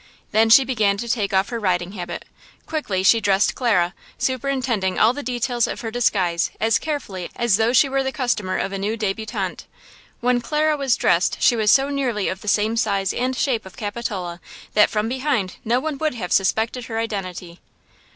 Then she began to take off her riding habit. Quickly she dressed Clara, superintending all the details of her disguise as carefully as though she were the costumer of a new debutante. When Clara was dressed she was so nearly of the same size and shape of Capitola that from behind no one would have suspected her identity.